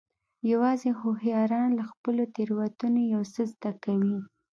یوازې هوښیاران له خپلو تېروتنو یو څه زده کوي.